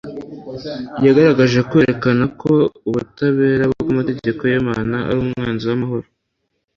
Yagerageje kwerekana ko ubutabera bw'amategeko y'Imana ari umwanzi w'amahoro.